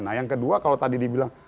nah yang kedua kalau tadi dibilang